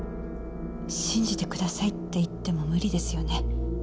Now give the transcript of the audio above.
信じてくださいって言っても無理ですよね？